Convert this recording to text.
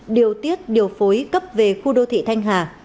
điều tiết điều phối cấp về khu đô thị thanh hà